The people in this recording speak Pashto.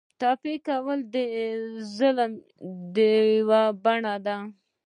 ټپي کول د ظلم یوه بڼه ده.